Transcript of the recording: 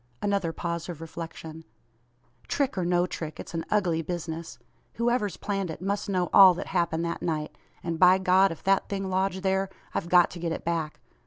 Another pause of reflection. "Trick, or no trick, it's an ugly business. Whoever's planned it, must know all that happened that night; and by God, if that thing lodged there, I've got to get it back.